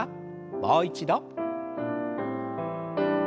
もう一度。